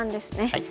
はい。